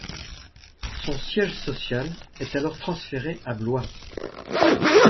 Son siège social est alors trannsféré à Blois.